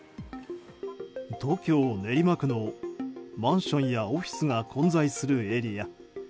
東京・練馬区のマンションやオフィスが混在するエリア。